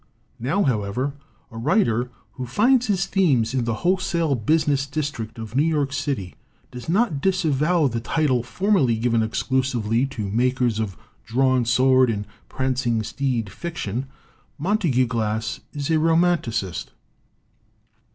Now, however, a writer who finds his themes in the wholesale business district of New York City does not disavow the title formerly given exclusively to makers of drawn sword and pranc ing steed fiction. Montague Glass is a roman ticist.